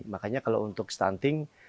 makanya kalau untuk stunting